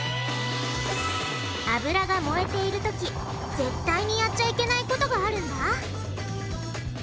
油が燃えている時絶対にやっちゃいけないことがあるんだ！